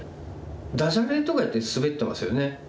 ダジャレとか言ってスベってますよね。